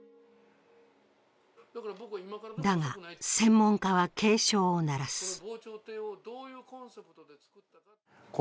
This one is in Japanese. だが、専門家は警鐘を鳴らす。